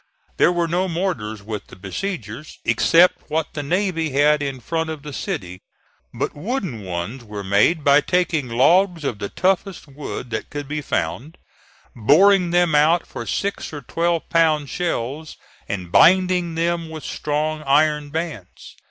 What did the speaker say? There were no mortars with the besiegers, except what the navy had in front of the city; but wooden ones were made by taking logs of the toughest wood that could be found, boring them out for six or twelve pound shells and binding them with strong iron bands.